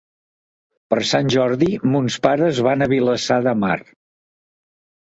Per Sant Jordi mons pares van a Vilassar de Mar.